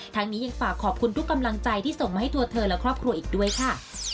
ทั้งนี้ยังฝากขอบคุณทุกกำลังใจที่ส่งมาให้ตัวเธอและครอบครัวอีกด้วยค่ะ